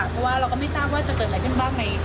กำหนดการน่าจะไม่เลื่อนใช่ไหมคะ